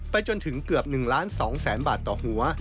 ไปจนถึงเกือบ๑๒๐๐๐๐๐บาทต่อหัว